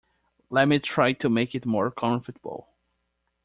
Let me try to make it more comfortable.